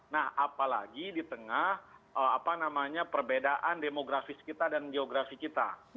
nah apalagi di tengah perbedaan demografis kita dan geografi kita